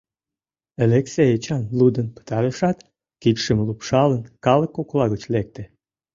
Элексей Эчан лудын пытарышат, кидшым лупшалын, калык кокла гыч лекте.